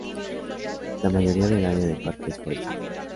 La mayoría del área del parque es forestal.